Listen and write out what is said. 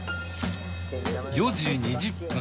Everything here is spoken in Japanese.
４時２０分